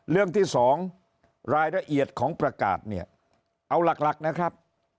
เรื่องที่สองรายละเอียดของประกาศเนี่ยเอาหลักนะครับ